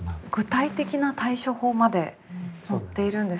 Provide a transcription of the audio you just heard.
具体的な対処法まで載っているんですね。